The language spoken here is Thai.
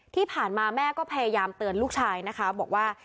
ที่ผ่านมาแม่ก็พยายามเตือนลูกชายนะคะบอกว่า